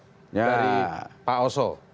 dari pak oso